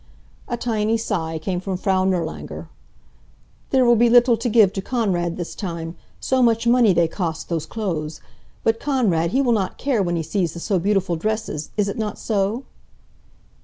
A tiny sigh came from Frau Nirlanger. "There will be little to give to Konrad this time. So much money they cost, those clothes! But Konrad, he will not care when he sees the so beautiful dresses, is it not so?"